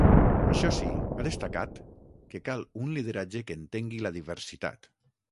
Això sí, ha destacat que cal “un lideratge que entengui la diversitat”.